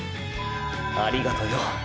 ありがとよ。